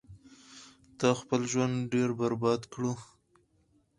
تا خپل ژوند ډیر برباد کړو